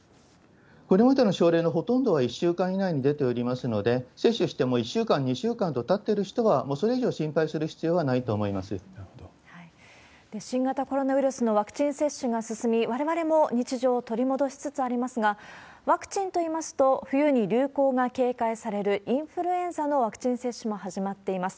これまでの症例のほとんどは１週間以内に出ておりますので、接種してもう１週間、２週間とたっている人は、もうそれ以上心配する必要はないと思い新型コロナウイルスのワクチン接種が進み、われわれも日常を取り戻しつつありますが、ワクチンといいますと、冬に流行が警戒される、インフルエンザのワクチン接種も始まっています。